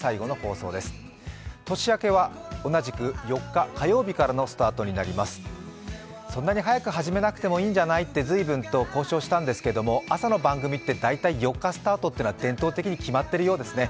そんなに早く始めなくてもいいんじゃない？って随分と交渉したんですけど朝の番組って大体４日スタートというのは伝統的に決まっているようですね。